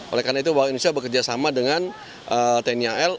oleh karena itu bank indonesia bekerja sama dengan tni al